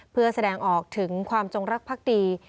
เพื่อแสดงออกถึงความจงรักภักดี